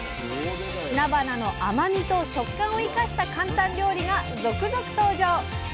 なばなの甘みと食感を生かした簡単料理が続々登場。